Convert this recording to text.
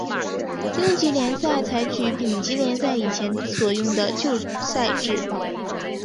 丁级联赛采取丙级联赛以前所用的旧赛制。